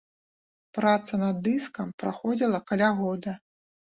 Праца над дыскам праходзіла каля года.